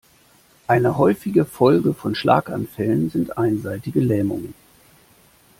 Eine häufige Folge von Schlaganfällen sind einseitige Lähmungen.